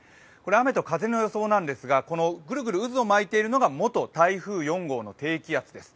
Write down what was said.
雨と風の予想なんですがぐるぐると渦を巻いているのが元台風４号の低気圧です。